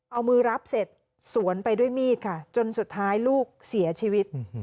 เอามือรับเสร็จสวนไปด้วยมีดค่ะจนสุดท้ายลูกเสียชีวิต